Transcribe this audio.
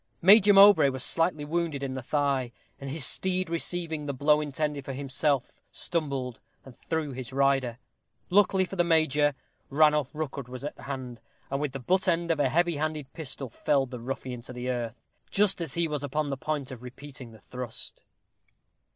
Major Mowbray was slightly wounded in the thigh, and his steed receiving the blow intended for himself, stumbled and threw his rider. Luckily for the major, Ranulph Rookwood was at hand, and with the butt end of a heavy handled pistol felled the ruffian to the earth, just as he was upon the point of repeating the thrust.